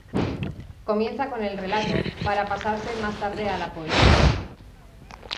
Comienza con el relato, para pasarse más tarde a la poesía.